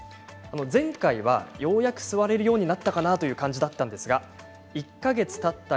前回は、ようやく座れるようになったかなという感じだったんですが１か月たった